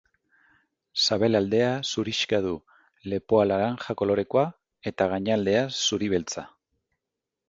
Sabelaldea zurixka du, lepoa laranja kolorekoa eta gainaldea zuri-beltza.